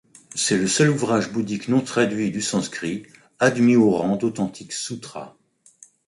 C’est le seul ouvrage bouddhique non traduit du sanscrit admis au rang d’authentique soutra.